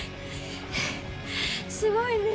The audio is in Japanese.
すごいね。